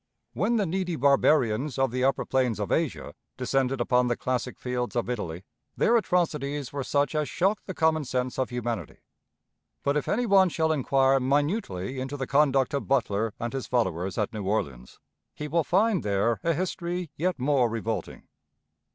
When the needy barbarians of the upper plains of Asia descended upon the classic fields of Italy, their atrocities were such as shocked the common sense of humanity; but, if any one shall inquire minutely into the conduct of Butler and his followers at New Orleans, he will find there a history yet more revolting.